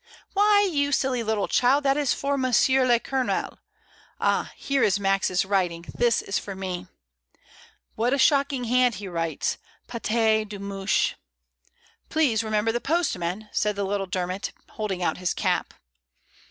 "Why, you silly little child, that is for Monsieur le Colonel. Ah, here is Max's writing, this is for me. What a shocking hand he writes, paties de mouche" "Please remember the postman," said little Der mot, holding out his cap.